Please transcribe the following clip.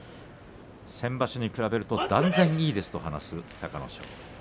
先場所に比べると断然にいいと話す隆の勝。